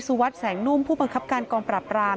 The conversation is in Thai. วัดแสงนุ่มผู้บังคับการกองปรับราม